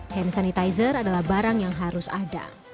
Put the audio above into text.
hand sanitizer adalah barang yang harus ada